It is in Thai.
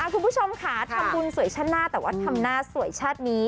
คุณผู้ชมค่ะทำบุญสวยชาติหน้าแต่ว่าทำหน้าสวยชาตินี้